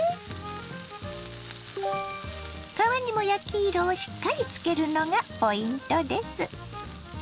皮にも焼き色をしっかりつけるのがポイントです。